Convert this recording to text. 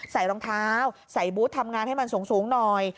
ใส่รองเท้าใส่บูธทำงานให้มันสูงหน่อย